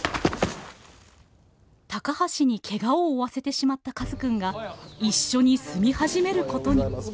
高橋にケガを負わせてしまったカズくんが一緒に住み始めることに。